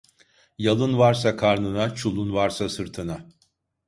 Yalın varsa karnına, çulun varsa sırtına.